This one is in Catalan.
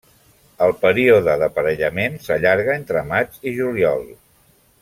El període d'aparellament s'allarga entre maig i juliol.